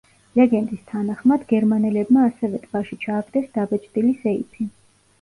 ლეგენდის თანახმად, გერმანელებმა ასევე ტბაში ჩააგდეს დაბეჭდილი სეიფი.